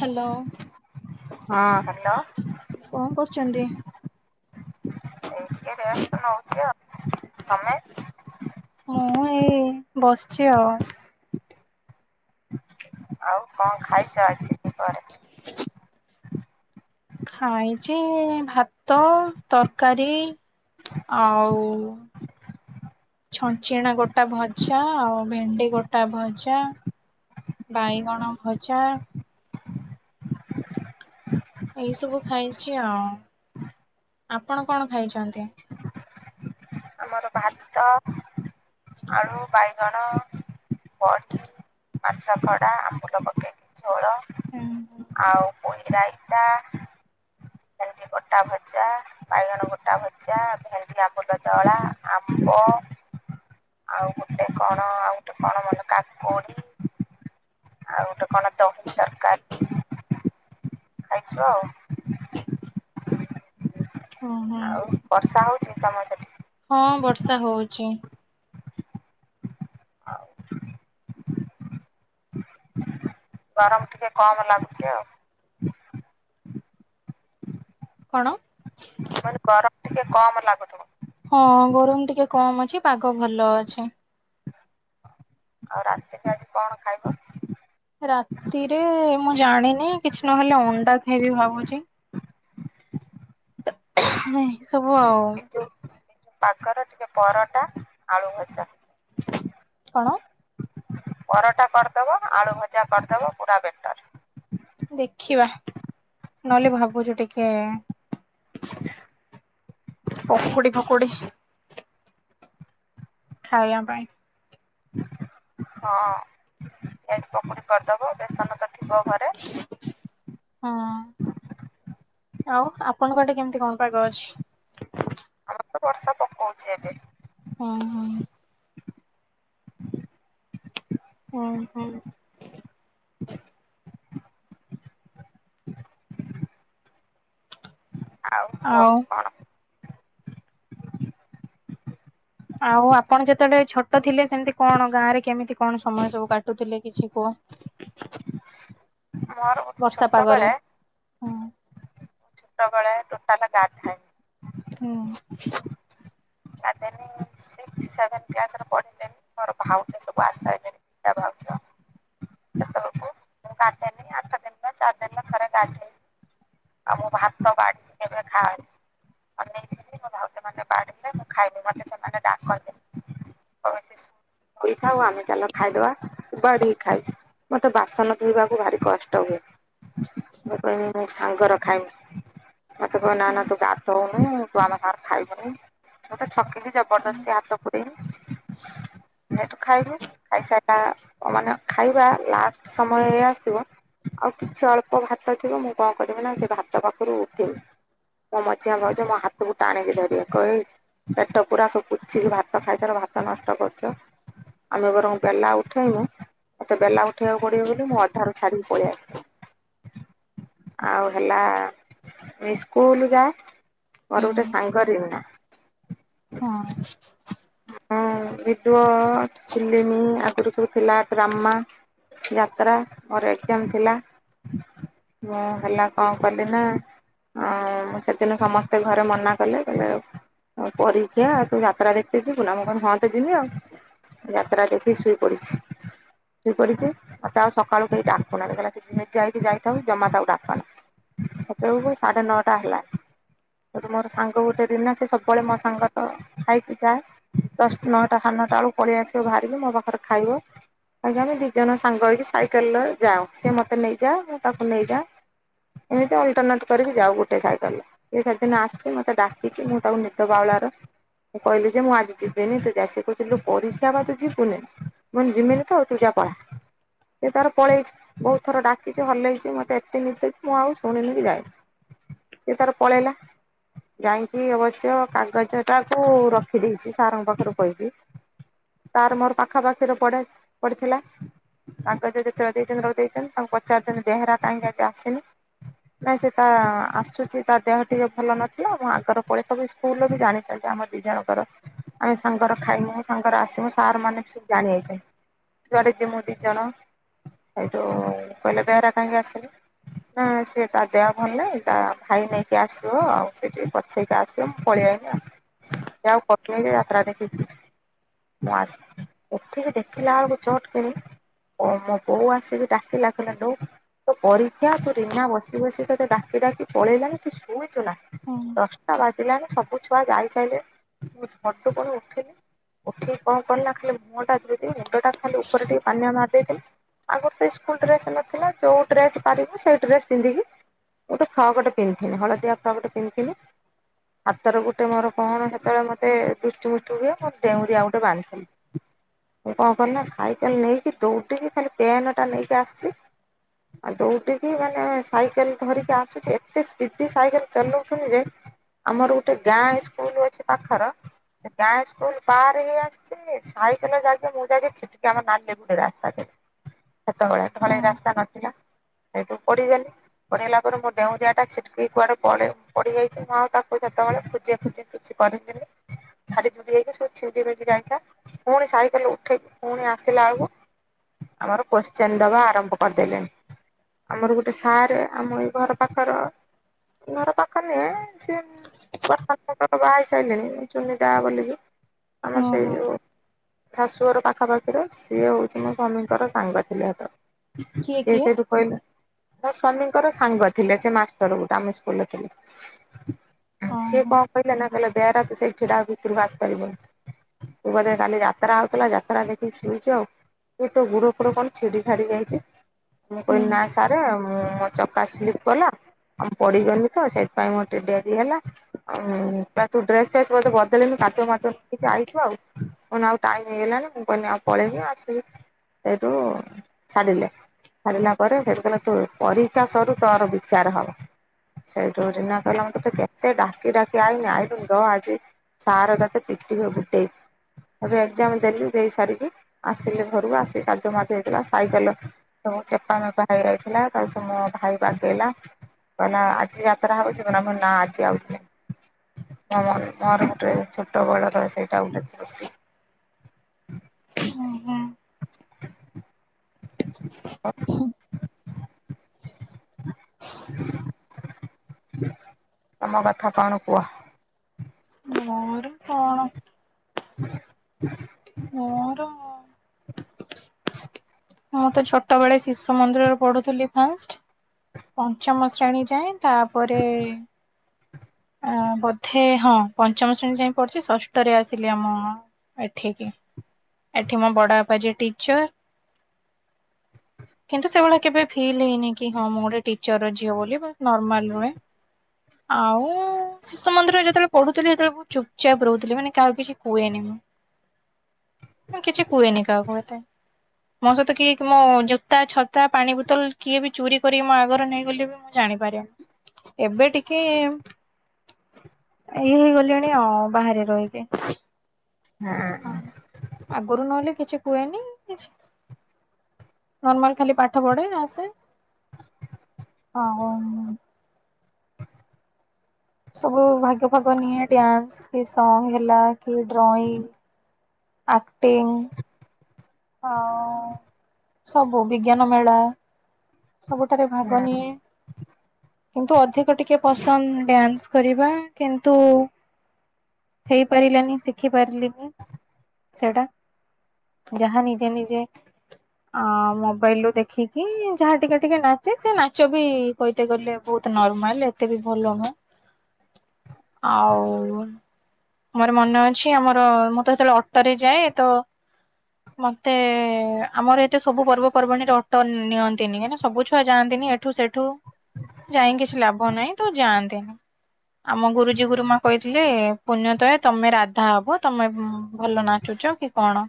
Hello ହଁ hello. କଣ କରୁଛନ୍ତି? ଏଇ ଟିକେ ବ୍ୟସ୍ତ ନଉଛି ଆଉ ତମେ? ମୁଁ ଏଇ ବସିଚି ଆଉ। ଆଉ କଣ ଖାଇସ ଆଜି ଦି ପହରେ? [unintelligible] ଖାଇଚି ଭାତ ତରକାରୀ। ଆଉ ଛଞ୍ଚିଣା ଗୋଟା ଭ ଜା ଆଉ ଭେଣ୍ଡି ଗୋଟା ଭଜା ବାଇଗଣ ଭଜା। ଏଇ ସବୁ ଖାଇଚି ଆଉ ଆପଣ କଣ ଖାଇଛନ୍ତି? ଆମର ଭାତ ଆଳୁ ବାଇଗଣ ବଢ଼ ଆଷା ଖଡା ଆମ୍ବୁଲ ପକେଇକି। ଝୋଳ ହୁଁ ଆଉ ପୋଇ ରାଇତା। ଭେଣ୍ଡି ଗୋଟା ଭଜା ବାଇଗଣ ଗୋଟା ଭଜା ଭେଣ୍ଡିରେ ଆମ୍ବଲ। ଦଳା ଆମ୍ବ ଆଉ ଗୋଟେ କଣ। ଆଉ ଗୋଟେ କଣ ମନ କାକୁଡି। ଆଉ ଗୋଟେ କଣ ଦ ଖାଇଚୁ ଆଉ ଆଉ ବର୍ଷା ହଉ ହୁଁ ଯେ ତମ ସେତିକି। ହଁ ବର୍ଷା ହଉଚି। [unintelligible] ଗରମ ଟିକେ କମ ଲାଗୁଚି ଆଉ। କଣ। ମାନେ ଗରମ ଟିକେ କମ ଲାଗୁଥୁବ। ହଁ ଗରମ ଟିକେ କମ ଅଛି ପାଗ ଭଲ ଅଛି। ଆଉ ରାତିଟା ଆଜି କଣ ଖାଇବ? ରାତିରେ ମୁଁ ଜାଣିନି କିଛି ନହେଲେ ଅଣ୍ଡା ଖାଇବି ଭାବୁଚି। ସବୁ ଆଉ। ପାଖରେ ଟିକେ ପରଟା ଆଳୁ ଭଜା। କଣ? ପରଟା କରଦବ ଆଳୁ ଭଜା କରଦବ ପୁରା ବେଟର। ଦେଖିବା ନହେଲେ ଭାବୁଚୁ ଟିକେ। ପକୁଡି ଫକୁଡି ଖାଇବା ପାଇଁ। ହଁ ପିଆଜି ପକୁଡି କରିଦବ ବେସନ ତ ଥିବ ଘରେ। ହଁ। ଆଉ ଆପଣଙ୍କ ଆଡେ କେମିତି କଣ ପାଗ ଅଛି। ଆମର ତ ବର୍ଷା ପକଉଛି ଏବେ। ହଁ ହଁ। ହଁ ହଁ। ଆଉ କୁହ କଣ? ଆଉ ଆପଣ ଯେତେଳେ ଛୋଟ ଥିଲେ ସେମିତି କଣ ଗାଁ ରେ କେମିତି କଣ ସମୟ ସବୁ କାଟୁଥିଲେ କିଛି କୁହ। ମୋର ବର୍ଷା ପାଗରେ ଛୋଟବେେଳେ ହୁଁ ସବୁବେଳେ ଟୋଟାଲ ଗାଧୁଏ। ହୁଁ। ଗାଧୁଏନି ସେ ସିଆଡେ କ୍ଲାସର ପଢୁଥୁ ମୋର ଭାଉଜ ସବୁ ଆଶସଇଲେଣି। ତା ଭାଉଜ। କେତେ ରଖିମି। ଟା ଟା ଖରେ ଟାଟୁ ଆଉ ମୁଁ ଭାତ ବାଡ଼ିକି କେବେ ଖାଏ ତ ବାଡ଼ିଲେ ମୁଁ ଖାଇଲି ମୋତେ ସେମାନେ ଡାକନ୍ତି ତଡ଼କ ଫିସ୍ ସିଏ ଖାଉ ଆମେ ଚାଲ ଖାଇଦବା ତୁ ବାଢିକି ଖାଇବି ମତେ ବାସନ ଧୋଇବାକୁ ଭାରି କଷ୍ଟ ହୁଏ ମୁଁ କହିବି ମୁଁ ସାଙ୍ଗର ଖାଇବି ମତେ କହିବେ ନା ହୁଁ ନା ତୁ ଗାଧୋହଉନୁ ତୁ ଆମ ସାଙ୍ଗରେ ଖାଇବୁନି ମୁ ତେ ଛକିଲି ଜବରଦସ୍ତି ହାତ ପୁରେଇବି ସେଠୁ ଖାଇବୁ ଖାଇସାରିଲା ମାନେ ଖାଇବା ଲାଷ୍ଟ ସମୟ ହେଇ ଆସୁଥିବ ଆଉ କିଛି ଅଳ୍ପ ଭାତ ଥିବ ମୁଁ କଣ କରିବି ନା ସେ ଭାତ ପାଖରୁ ଉଠିବି ମୋ ମଝିଆ ଭାଉଜ ମୋ ହାତକୁ ଟାଣିକି ଧରିବେ କହିବେ ଏଇ ପେଟ ପୁରା ସବୁ ପୋଛିକି ଭାତ ଖାଇସାର ଭାତ ନଷ୍ଟ କରୁଛ ଆମେ ବରଂଙ୍ଗ ବେଲା ଉଠେଇବୁ ମୋତେ ବେଲା ଉଠେଇବାକୁ ପଡ଼ିବ ବୋଲି ମୁଁ ଅଧାରୁ ଛାକି ପଳେଇ ଆସେ ଆଉ ହେଲା ସ୍କୁଲ୍ ଯା ମୋର ଗୋଟେ ହୁଁ ସାଙ୍ଗ ରିନା ହଁ ହଁ ଭିଡିଓ ଫିଲିମି ଆଗରୁ ସବୁ ଥିଲା ଡ୍ରାମା ଯାତ୍ରା ମୋର ଏକ୍ ଜାମ୍ ଥିଲା ମୁଁ ହେଲା କଣ କଲିି ନା ଆଉ ସେଦିନ ସମସ୍ତେ ଘରେ ମନା କଲେ କହିଲେ ତେର ପରୀକ୍ଷା ତୁ ଯାତ୍ରା ଦେଖି ଯିବୁ ନା ମୁଁ କହିଲି ହଁ ତ ଯିବି ଆଉ ଯାତ୍ରା ଦେଖିକି ଶୋଇପଡ଼ିଛି ଶୋଇପଡ଼ିଛି ମତେ ଆଉ ସକାଳୁ କେହି ଡାକୁନାହାନ୍ତି ସେ ଯେମିତି ଯାଇଛି ଯାଇଥାଉ ଜମା ତା ଡାକନା ସେତେବେଳକୁ ସାଢେ ନଅଟା ହେଲାଣି ସେଠୁ ମୋର ସାଙ୍ଗ ଗୋଟେ ରିନା ସେ ସବୁବେଳେ ମୋ ସାଙ୍ଗ ତ ଖାଇଛିି ଯାଏ ନଅଟା ସାଡେଅନଟା ବେଳକୁ ପଳେଇ ଆସିବ ବାହାରିକି ମୋ ପାଖରେ ଖାଇବ ଆଜ୍ଞା ଆମେ ଦି ଜଣ ସାଙ୍ଗ ହେଇକି ସାଇକେଲରେ ଯାଉ ସିଏ ମତେ ନେଇଯାଆ ମୁ ତାକୁ ନେଇଯାଅ ଏମିତି ଅଲ୍ଟରନେଟ୍ କରିକି ଯାଉ ଗୋଟେ ସାଇକେଲ୍ ରେ ସିଏ ସେଦିନ ଆସିଛି ମତେ ଡାକିଛି ମୁଁ ତାକୁ ନିଦ ବାଉଳାରେ କହିଲି ଯେ ମୁଁ ଆଜି ଯିବିନି ତୁ ଯା ସେ କହୁଛି ପରୀକ୍ଷା ତୁ ଜୀବୁନେ ମୁ କହିଲି ଯିବିନିତ ତୁ ଯା ପଳା ସେ ତାର ପଳେଇଛି ବହୁତ ଥର ଡାକିଛି ହଲେଇଛି ମତେ ଏତେ ନିଦ ଯେ ମୁଁ ଆଉ ଶୁଣିନି କି ଯାଇନି ସେ ତାର ପଳେଇଲା ଯାଇକି ଅବଶ୍ୟ କାଗଜ ଟାକୁ ର ଖି ଦେଇଛି ସାର୍ ଙ୍କ ପାଖରୁ କହିକି ତାର ମୋର ପାଖା ପାଖିରେ ପଡ଼େ ପଡ଼ିଥିଲା କାଗଜ ଯେତେବେଳେ ଦେଇଛନ୍ତି ତାକୁ ପଚାରିଛନ୍ତି ପଚାରିଛନ୍ତି ବେହେରା କାହିଁକି ଆଜି ଆସିନି ନାଇଁ ସେ ତା ଆସୁଛି ତା ଦେହ ଟିକେ ଭଲ ନଥିଲା ମୁଁ ଆଗର ପଳଶା ବି ସ୍କୁଲ୍ ବି ଜାଣିଛନ୍ତି ଆମ ଦି ଜଣ ର ଆମେ ସାଙ୍ଗର ଖାଇମୁ ସାଙ୍ଗର ଆସିମୁ ସାର୍ ମାନେ ଠିକ୍ ଜାଣିଯାଇଛନ୍ତି ଯୁଆଡେ ଯିମୁୁ ଦି ଜଣ ସେଇଠୁ କହିଲେ ବେହେରା କାହିଁକି ଆସିନି ନା ସେ ତା ଦେହ ଭଲ ନାହିଁ ତା ଭାଇ ନେଇକି ଆସିବ ଆଉ ସେ ଠିକେ ପ ପଛେଇକି ଆସିବ ମୁଁ ପଳେଆଇଲି ଆଉ ସେ ଆଉ କହିନି ଯାତ୍ରା ଦେଖିଛି ମୁଁ ଆସିକି ଉଠିକି ଦେଖିଲା ଆଳକୁ ଚଟକିରିକି ଓ ମୋ ବୋଉ ଆସିିକି ଡାକିଲା କହିଲା ତେ ପରୀ କୁୁ ରୀନା ବସି ବସି ତତେ ଡାକି ଡାକି ପଳେଇଲାଣି ତୁ ଶୁଇଛୁ ନା ହୁଁ ଦଶଟା ବା ଲାଣି ସବୁ ଛୁଆ ଯାଇସାଇିଲଲେନି ମୁଁ ଭଣ୍ଡୁ ପଣ ଉଠିଲି। ଉଠିକି କଣ କରିଲା ଖାଲି ମୁହଁ ଟାଦି ମୁଣ୍ଡ ଟା ଖାଲି ଉପରେ ଟିକେ ପାନୀୟ ମାରିଦେଇଥିଲି। ଆଗରୁ ତ ସ୍କୁଲ ଡ୍ରେସ ନଥିଲା ଯେଉ ଡ୍ରେସ ପାରିବି ସେଇ ଡ୍ରେସ୍ ପିନ୍ଧିକି ଗୋଟେ ଫ୍ରକଟେ ପିନ୍ଧିଥିଲି ହଳଦି ଫରକ ଟେ ପିନ୍ଧିଥିଲି। ହାତର ଗୋଟେ ମୋର କଣ ସେତେବେଳେ ମତେ ସେତ ଦୃଷ୍ଟି ମୁଷ୍ଟି ହୁଏ ମୁଁ ଡେଉଁରିଆ ଆଉ ଗୋଟେ ବାନ୍ଧି ଦିଏ। ମୁଁ କଣ କ ନା ସାଇକେଲ ନେଇକି ଦୌଡ଼ିକି ଖାଲି ପେନ୍ ଟା ନେଇକି ଆସିଛି ଆଉ ଦଉଡିକି ମାନେ ସାଇକେଲ୍ ଧରିକି ଆସୁଛି ଏତେ ସ୍ପିଡ ସାଇକେଲ ଚଲାଉଛନ୍ତି ଯେ ଆମର ଗୋଟେ ଗାଁ ସ୍କୁଲ ଅଛି ପାଖର ସେ ଗାଁ ସ୍କୁଲ ପାର ହେ ଆସଛି ସାଇକେଲ ଯାଇକି ମୁ ଜାଇକି ଛିଟ୍କା ଆମ ନାଲି ଗୋଡି ରାସ୍ତାରେ ସେତେବେଳେ ହୁଁ ଢଳେଇ ରାସ୍ତା ନଥିଲା ସେଇଠୁ ପଡିଗଲି ପଢେଇଲା ପରେ ମୋ ଡେଉଁରିଆ ଟା ଛିଟକି କୁଆଡେ ପଡିଯାଇଛି ମୁଁ ଆଉ ତାକୁ ସେତେବେଳେ ଖୋଜେ ଖୋଜି କିଛିି ପଢିଥିଲି ଝାଡିଝୁଡି ହେଇକି ସବୁ ଛିଡି ଫିିଡି ଯାଇଥିଲା ପୁଣି ସାଇକେଲ ଉଠେଇକି ପୁଣି ଆସିଲା ବେଳକୁ ଆମର କ୍ୱେଷ୍ଟିନ୍ ଦବା ଆରମ୍ଭ କରିଦେଲେଣି। ଆମର ଗୋଟେ ସାର୍ ଆମ ଏଇ ଘର ପାଖର। ଘର ପାଖରେ ନୁହଁ ସେ ବର୍ଷ ହବ ବାହା ହେଇ ସାରିଲେଣି ଚୁନି ଦା ବୋଲିିକି ଆମ ହୁଁ ସେଇ ହୁଁ ଯେଉ ଶାଶୁର ପାଖାପାଖିରେ ସିଏ ହଉଛି ମୋ ସ୍ଵାମୀଙ୍କର ସାଙ୍ଗ ଥିଲେ ସେତେବେଳକୁ। କିଏ ସେିଏ କିଏ? ସେଇଠୁ କହିଲେ ମୋ ସ୍ୱାମୀଙ୍କର ସାଙ୍ଗ ଥିଲେ ସେ ମାଷ୍ଟର ଗୋଟେ ଆମେ ସ୍କୁଲରେ ଥିଲେ ହଁ ସିଏ କଣ କହିଲେ ନା କହିଲେ ବେହେରା ତୁ ସେଇଠି ଠିଆ ହୋ ଭିତରୁକୁ ଆସି ପାରିବୁନି। ତୁ ବୋଧେ କାଲି ଯାତ୍ରା ହଉଥିଲା ଯାତ୍ରା ଦେଖିକି ଶୁଇଛୁ ଆଉ ଏ ତ ଗୋଡ଼ ଉପରେ କଣ ଛିଡି ଛାଡ଼ିି ଯାଇଛି ମୁ ହଁ କହିଲି ନା ସାର୍ ମୁଁ ମୋ ଚକା ସ୍ଲିପ କଲା ଆଁ ପଡିଗଲି ତ ସେଥିପାଇଁ ମୋର ଟେ ଡେରି ହେଲା ଆଉ ତୁ ଡ୍ରେସ ବଦଲେ କାଦୁଅ ମାଦୁଅ ହେଇକି ଆଇଛୁ ଆଉ। କଣ ଆଉ ଟାଇମ ହେଇଗଲାଣି ମୁଁ କହିଲି ଆଉ ପଳେଇବି ଆସିବି ସେଇଠୁ ଛାଡିଲେ। ସାରିଲା ପରେ ସେଠୁ କହିଲେ ତୁ ପରିକ୍ଷା ସରୁ ତୋର ବିଚାର ହବ। ସେଇଠୁ ରିନା କହିଲା ମୁ ତତେ କେତେ ଡାକି ଡାକି ଆଇନି ଆଇଲୁନୁ ସାର ତତେ ପିଟିବେ ଗୋଡାଇକି। ଏବେ ଏକ୍ଜାମ ଦେଲି ଦେଇ ସାରିକି ଆସିଲି ଘରକୁ ଆସିିକି କାଦୁଅ ମାଦୁଅ ହେଇଥିଲା ସାଇକେଲ ସବୁ ଚେପା ମେପା ହେଇ ଯାଇଥିଲା ତାକୁ ସବୁ ମୋ ଭାଇ ବାଗେଇଲା କହିଲା ଆଜି ଯାତ୍ରା ହଉଛିନା ଭ ନା ଆଜି ଆଉ ମରେ ଛୋଟ ବଳର ସେଇଟା ଗୋଟେ ସ୍ମୃତି। ହୁଁ, ହୁଁ। ଆ ତମ କଥା କଣ କୁହ। ମୋର କଣ? [inaudible] ମୋର [inaudible] ମୁଁ ତ ଛୋଟ ବଳେ ଶିଶୁ ମନ୍ଦିରରେ ପଢୁଥିଲି ଫାଷ୍ଟ ପଞ୍ଚମ ଶ୍ରେଣୀ ଯାଏଁ ତାପରେ ଆଁ ବୋଧେ ହଁ ପଞ୍ଚମ ଶ୍ରେଣୀ ଯାଏଁ ପଡିଚି ଷଷ୍ଟରେ ଆସିଲି ଆମ ଏଠିକି। ଏଠି ମୋ ବଡ ବାପା ଯେ ଟିଚର୍। କିନ୍ତୁ ସେଭଳିଆ କେବେ ଫିଲ୍ ହେଇନି କି ହଁ ମୁଁ ଗୋଟେ ଟିଚର୍ ର ଝିଅ ବୋଲି, ବା ନର୍ମାଲ୍ ରୁହେ। ଆଉ? ଶିଶୁ ମନ୍ଦିର ରେ ଯେତବେଳେ ପଢୁଥିଲି, ସେତବେଳେ ବହୁ ଚୁପ୍ ଚାପ୍ ରହୁଥିଲି ମାନେ କାହାକୁ କିଛି କୁହେନି ମୁଁ। କିଛି କୁହେନି କାହାକୁ ଏତେ ମୋ ସହିତ କିଏକି ମୋ ଜୋତା ଛତ୍ ଛତା ପାଣି ବୋତଲ କିଏବି ଚୋରି କରିକି ମୋ ଆଗରୁ ନେଇଗଲେ ବି ମୁଁ ଜାଣିପାରେନି। ଏବେ ଟିିକେ ଇଏ ହେଇଗଲିଣି ଆଉ ବାହାରେ ରହିକି। ହୁଁ। ଆଗୁରୁ ନ ଏଲେ କିଛି କୁହେନି। କିଛ୍ ନର୍ମାଲ୍ ଖାଲି ପାଠ ପଢେ ଆସେ, ହଁ। ସବୁ ଭାଗ ଫାଗ ନିଏ, ଡ୍ୟାନ୍ସ୍ କି ସଙ୍ଗ୍ ହେଲା କି ଡ୍ରଇଂ ଆକ୍ଟିଙ୍ଗ୍ ଆଉ ସବୁ ବିଜ୍ଞାନ ମେଳା। ସବୁଥେରେ ଭାଗ ହୁଁ ନିଏ। କିନ୍ତୁ ଅଧିକ ଟିକେ ପସନ୍ଦ୍ ଡ୍ୟାନ୍ସ କରିବା। କିନ୍ତୁ ହୋଇପାରିଲାନି ଶିଖିପାରିଲିନି ସେଇଟା। ଯାହା ନିଜେ ନିଜେ ଅ ମୋବାଇଲ୍ ରୁ ଦେଖିକି ଯାହା ଟିକେ ଟିକେ ନାଚେ ସେ ନାଚ ବି କହିତେ ଗଲେ ବହୁତ୍ ନର୍ମାଲ ଏତେବି ଭଲ ନୁଅଁ। [unintelligible] ଆଉ। ମୋର ମନେ ଅଛି ଆମର ମୁଁ ତ ସେତେବେଳେ ଅଟୋ ରେ ଯାଏ। ସେଟୁ ମତେ ଆମର ଏତେ ସବୁ ପର୍ବ ପର୍ବାଣୀରେ ଅଟୋ ନିଅନ୍ତିନି କା ଇନା ସବୁ ଛୁଆ ଯାଆନ୍ତିନି। ଏଠୁ ସେଠୁ ଯାଇଁ କି କିଛି ଲାଭ ନାହିଁ ତ ଯାଆନ୍ତିନି। ଆମ ଗୁରୁଜୀ ଗୁରୁମା କହିଥିଲେ। ପୁଣ୍ୟତୟ ତମେ ରାଧା ହବ ତମେ ଭଲ ନାଚୁଚ କି କଣ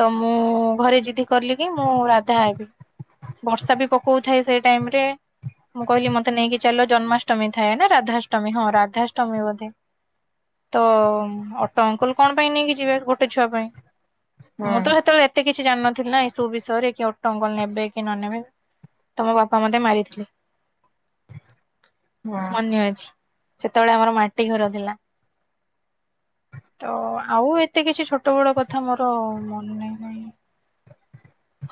ତ ମୁଁ ଘରେ ଜିଦି କଲିକି ମୁଁ ରାଧା ହେବି। ବର୍ଷା ବି ପକଉଥାଏ ସେଇ ଟାଇମ୍ ରେ। ମୁଁ କହିଲି ମତେ ନେଇକି ଚାଲ ଜନ୍ମାଷ୍ଟମୀ ଥାଏନା ରାଧାଷ୍ଟମୀ ହଁ ରାଧାଷ୍ଟମୀ ବୋଧେ। ତ ଅଟୋ ଅଙ୍କଲ କଣ ପାଇଁ ନେଇକି ଯିବେ ଗୋଟେ ଛୁଆ ପାଇଁ ହୁଁ ମୁଁ ତ ସେତେବେଳେ ଏତ୍ ଏତେ କିଛି ଜାଣିନଥିଲି ନା ଏଇ ସବୁ ବିଷୟରେ କି ଅଟ ଅଙ୍କଲ ନେବେକି ନନେବେ। ତ ମୋ ବାପା ମତେ ମାରିଥିଲେ। [unintelligible] ମନେ ଅଛି, ସେତେବେଳେ ଆମର ମାଟି ଘର ଥିଲା। ତ ଆଉ ଏତେ କିଛି ଛୋଟ ବେଳ କଥା ମୋର ମନେନାହିଁ ନା କଣ।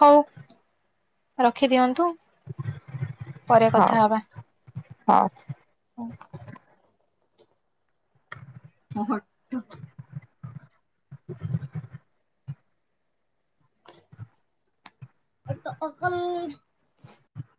ହଉ। ରଖିଦିଅନ୍ତୁ ପରେ ହଉ କଥାହବା ହଉ। ହୁଁ। [inaudible] [unintelligible] ଏତ ଅସଲ୍